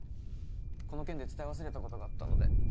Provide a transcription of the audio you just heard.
この件で伝え忘れたことがあったので。